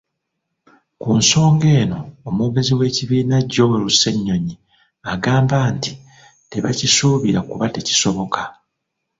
Ku nsonga eno, omwogezi w'ekibiina Joel Ssennyonyi, agamba nti tebakisuubira kuba tekisoboka.